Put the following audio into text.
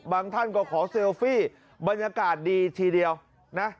ท่านก็ขอเซลฟี่บรรยากาศดีทีเดียวนะ